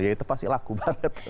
jadi itu pasti laku banget